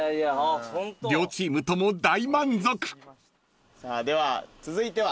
［両チームとも大満足］では続いては？